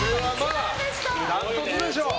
ダントツでしょう。